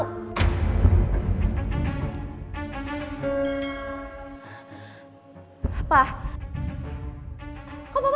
tante farah merawat mama